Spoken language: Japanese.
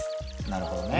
なるほどね。